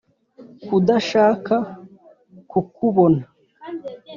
kudashaka kukubona